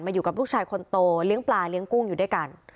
อยู่กับลูกชายคนโตเลี้ยงปลาเลี้ยงกุ้งอยู่ด้วยกัน